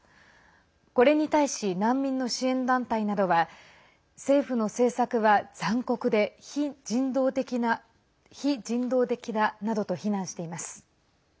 これに対し難民の支援団体などは政府の政策は残酷で非人道的だなどと非難しています。